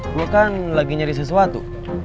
gue kan lagi nyari sesuatu